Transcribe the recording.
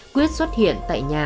quyết xuất hiện tại nhà